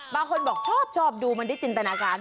บางคนบอกชอบดูมันได้จินตนาการ